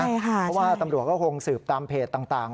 เพราะว่าตำรวจก็คงสืบตามเพจต่าง